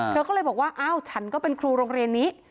เธอก็เลยบอกว่าอ้าวฉันก็เป็นครูโรงเรียนนี้